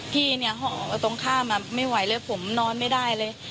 พี่เนี่ยห่อตรงข้ามไม่ไหวเลยผมนอนไม่ได้เลย